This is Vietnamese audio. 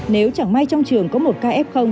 nếu chẳng may trong trường có một ca f